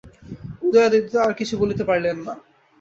উদয়াদিত্য আর কিছু বলিতে পারিলেন না।